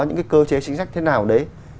những cái cơ chế chính sách thế nào đấy